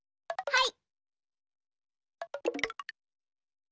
はい。